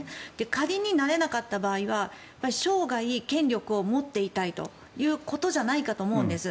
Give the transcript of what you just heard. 仮になれなかった場合は生涯、権力を持っていたいということじゃないかと思うんです。